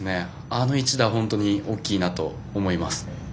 あの１打は本当に大きいなと思います。